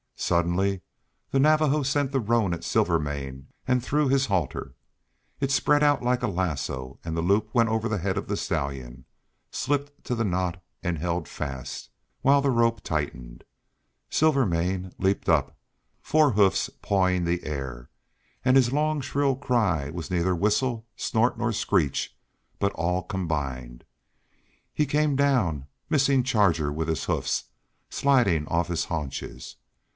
Suddenly the Navajo sent the roan at Silvermane and threw his halter. It spread out like a lasso, and the loop went over the head of the stallion, slipped to the knot and held fast, while the rope tightened. Silvermane leaped up, forehoofs pawing the air, and his long shrill cry was neither whistle, snort, nor screech, but all combined. He came down, missing Charger with his hoofs, sliding off his haunches.